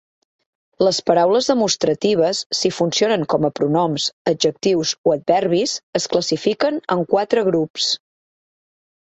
Les paraules demostratives, si funcionen com a pronoms, adjectius o adverbis, es classifiquen en quatre grups.